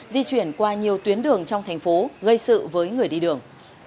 di chuyển qua nhiều tuyến đường trong thành phố gây sự với người đi đường